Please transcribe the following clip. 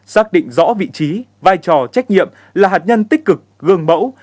xác định rõ vị trí vai trò trách nhiệm là hạt nhân tích cực gương mẫu